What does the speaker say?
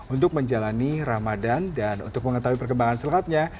untuk menjalani ramadan dan untuk mengetahui perkembangan selengkapnya